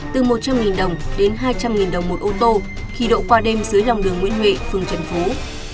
từ một trăm linh đồng đến hai trăm linh đồng một ô tô khi độ qua đêm dưới lòng đường nguyễn huệ phường trần phú